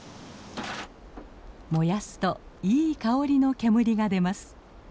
燃やすといい香りの煙が出ます。